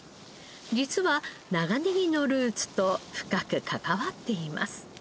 実は長ネギのルーツと深く関わっています。